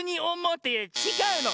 ってちがうの！